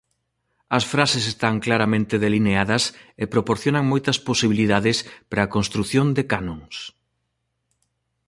As frases están claramente delineadas e proporciona moitas posibilidades para a construción de canons.